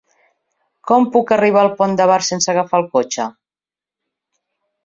Com puc arribar al Pont de Bar sense agafar el cotxe?